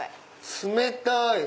冷たい！